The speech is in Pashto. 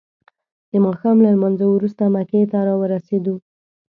د ماښام له لمانځه وروسته مکې ته راورسیدو.